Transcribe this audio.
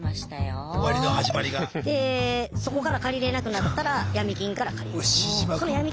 そこから借りれなくなったらヤミ金から借りる。